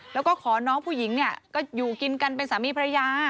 แล้วก็ขอน้องผู้หญิงเนี่ยก็อยู่กินกันเป็นสามีภรรยา